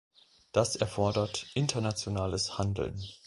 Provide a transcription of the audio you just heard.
Das erfordert internationales Handeln.